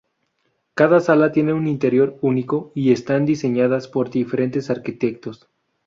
Cada sala tiene un interior único, y están diseñadas por diferentes arquitectos.